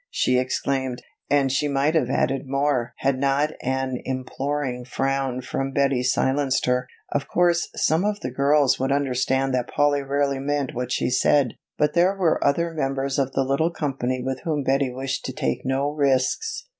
she exclaimed. And she might have added more had not an imploring frown from Betty silenced her. Of course some of the girls would understand that Polly rarely meant what she said, but there we're other members of the little company with whom Betty wished to take no risks.